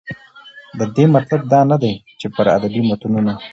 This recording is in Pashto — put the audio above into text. د دې مطلب دا نه دى، چې پر ادبي متونو